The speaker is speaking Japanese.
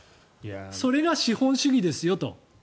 それが資本主義ですよと。